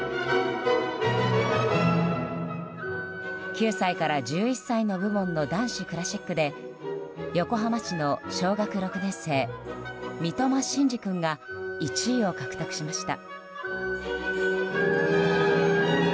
９歳から１１歳の部門の男子クラシックで横浜市の小学６年生三苫心嗣君が１位を獲得しました。